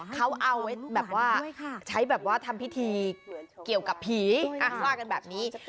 เขาเอาไว้แบบว่าใช้แบบว่าทำพิธีเกี่ยวกับผีว่ากันแบบนี้